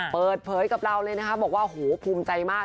เปิดเผยกับเราเลยนะคะบอกว่าโหภูมิใจมาก